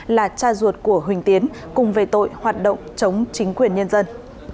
là cha ruột của huỳnh tiến cùng về tội hoạt động chống chính quyền nhân dân